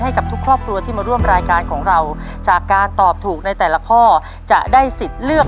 ให้กับทุกครอบครัวที่มาร่วมรายการของเราจากการตอบถูกในแต่ละข้อจะได้สิทธิ์เลือก